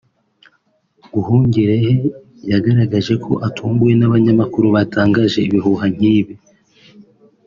Nduhungirehe yagaragaje ko atunguwe n’abanyamakuru batangaje ibihuha nk’ibi